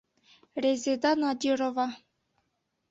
Резеда Надирова!..